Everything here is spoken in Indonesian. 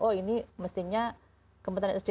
oh ini mestinya kementerian sdm nih ya